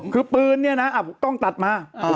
คือปืนก็ต้องตัดมา